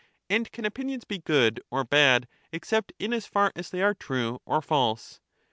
And can opinions be good or bad except in as far as they are true or false